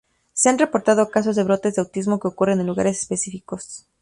Se han reportado casos de brotes de autismo que ocurren en lugares específicos.